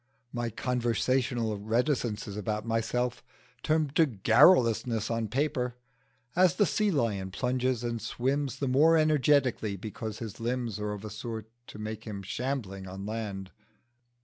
My conversational reticences about myself turn into garrulousness on paper as the sea lion plunges and swims the more energetically because his limbs are of a sort to make him shambling on land.